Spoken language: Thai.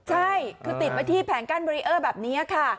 ใช่คือติดไว้ที่แผงกั้นเบรีเออร์แบบนี้ค่ะ